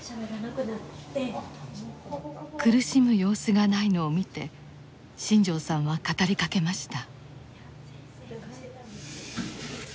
苦しむ様子がないのを見て新城さんは語りかけました。